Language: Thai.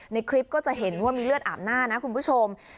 ในคลิปก็จะเห็นว่ามีเลือดอาบหน้านะคุณผู้ชม